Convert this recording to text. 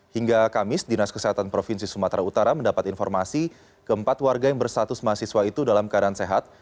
hingga kamis dinas kesehatan provinsi sumatera utara mendapat informasi keempat warga yang bersatus mahasiswa itu dalam keadaan sehat